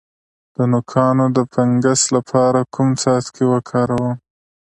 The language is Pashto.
د نوکانو د فنګس لپاره کوم څاڅکي وکاروم؟